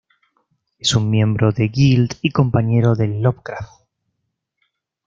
Es un miembro de Guild y compañero de Lovecraft.